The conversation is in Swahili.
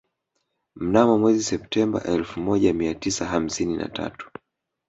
Mnamo mwezi Septemba elfu moja mia tisa hamsini na tatu